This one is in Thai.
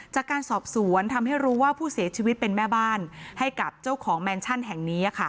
จากการสอบสวนทำให้รู้ว่าผู้เสียชีวิตเป็นแม่บ้านให้กับเจ้าของแมนชั่นแห่งนี้